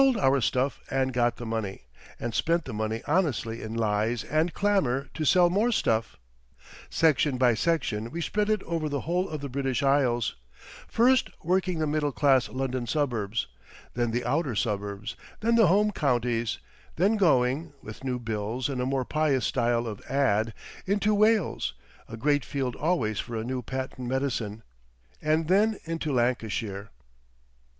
We sold our stuff and got the money, and spent the money honestly in lies and clamour to sell more stuff. Section by section we spread it over the whole of the British Isles; first working the middle class London suburbs, then the outer suburbs, then the home counties, then going (with new bills and a more pious style of "ad") into Wales, a great field always for a new patent medicine, and then into Lancashire.